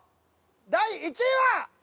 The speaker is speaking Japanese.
第１位は？